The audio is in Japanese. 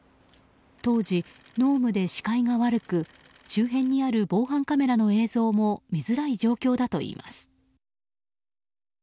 当時、濃霧で視界が悪く周辺にある防犯カメラの映像も見づらい状況だといいます。